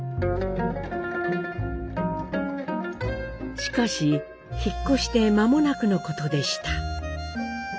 しかし引っ越して間もなくのことでした。